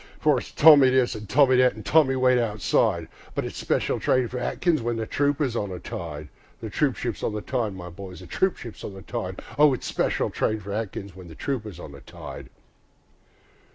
For it's Tommy this, an' Tommy that, an' "Tommy, wait outside"; But it's "Special train for Atkins" when the trooper's on the tide, The troopship's on the tide, my boys, the troopship's on the tide, O it's "Special train for Atkins" when the trooper's on the tide.